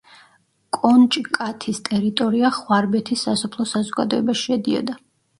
კონჭკათის ტერიტორია ხვარბეთის სასოფლო საზოგადოებაში შედიოდა.